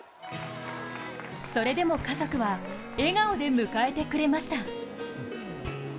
それでも家族は、笑顔で迎えてくれました。